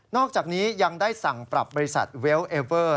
อกจากนี้ยังได้สั่งปรับบริษัทเวลเอเวอร์